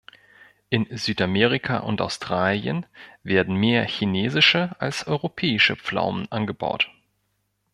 In Südamerika und Australien werden mehr Chinesische als Europäische Pflaumen angebaut.